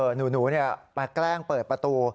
หนูเนี่ยมาแกล้งเปิดประตู